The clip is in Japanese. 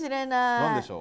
何でしょう？